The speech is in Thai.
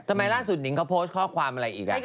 ทำไมล่าสุดหนิงเขาโพสต์ข้อความอะไรอีก